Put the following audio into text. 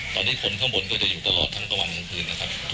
ตอนนี้คนข้างบนก็จะอยู่ตลอดทั้งตะวันกลางคืนนะครับ